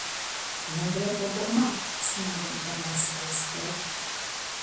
مەن بىلەن ئوردىغا ماڭ، سېنىڭدىن بىر نەرسە ئالسا كېرەك.